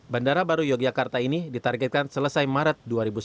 bandara baru yogyakarta ini ditargetkan selesai maret dua ribu sembilan belas